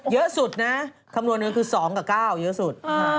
เยอะสุดนะคำนวณเงินคือ๒กับ๙เยอะสุด